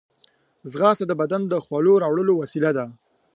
ځغاسته د بدن د خولو راوړلو وسیله ده